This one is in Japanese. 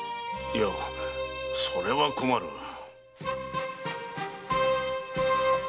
いやそれは困る。